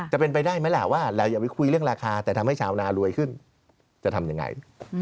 จะเป็นไปได้ไหมล่ะว่าเราอย่าไปคุยเรื่องราคาแต่ทำให้ชาวนารวยขึ้นจะทำยังไง